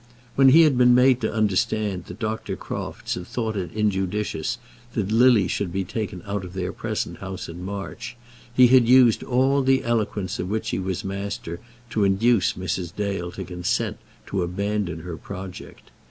When he had been made to understand that Dr. Crofts had thought it injudicious that Lily should be taken out of their present house in March, he had used all the eloquence of which he was master to induce Mrs. Dale to consent to abandon her project.